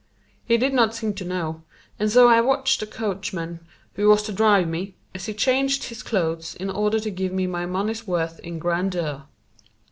He did not seem to know, and so I watched the coachman who was to drive me, as he changed his clothes in order to give me my money's worth in grandeur.